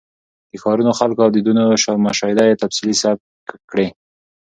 د ښارونو، خلکو او دودونو مشاهده یې تفصیلي ثبت کړې.